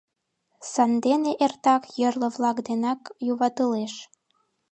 Сандене эртак йорло-влак денак юватылеш.